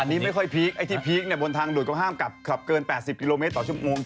อันนี้ไม่ค่อยพีคไอ้ที่พีคเนี่ยบนทางด่วนก็ห้ามกลับขับเกิน๘๐กิโลเมตรต่อชั่วโมง